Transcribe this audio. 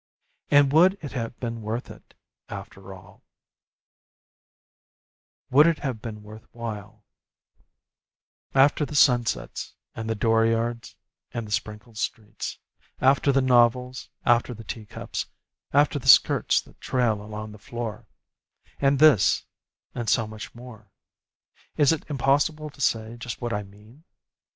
And would it have been worth it, after all, Would it have been worth while, After the sunsets and the dooryards and the sprinkled streets, After the novels, after the teacups, after the skirts that trail along the floor And this, and so much more? It is impossible to say just what I mean!